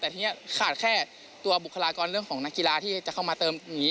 แต่ทีนี้ขาดแค่ตัวบุคลากรเรื่องของนักกีฬาที่จะเข้ามาเติมอย่างนี้